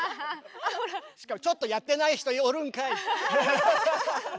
しかもちょっとやってない人おるんかい！